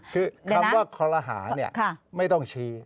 คือคำว่าข้อกรหาเนี่ยไม่ต้องชี้